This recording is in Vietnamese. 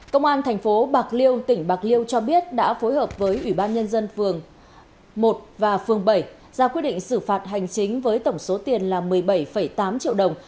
công an thành phố bạc liêu tỉnh bạc liêu cho biết đã phối hợp với ủy ban nhân dân phường một và phường bảy ra quyết định xử phạt hành chính với tổng số tiền là một mươi bảy tám triệu đồng